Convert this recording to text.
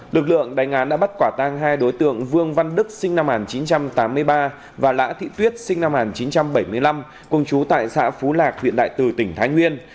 lực lượng đánh án đã bắt quả tang hai đối tượng vương văn đức sinh năm một nghìn chín trăm tám mươi ba và lã thị tuyết sinh năm một nghìn chín trăm bảy mươi năm cùng chú tại xã phú lạc huyện đại từ tỉnh thái nguyên